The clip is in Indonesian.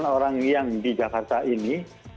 delapan orang yang di jakarta ini